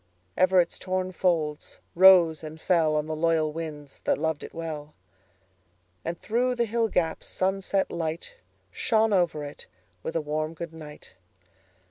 Ever its torn folds rose and fellOn the loyal winds that loved it well; And through the hill gaps sunset lightShone over it with a warm good night.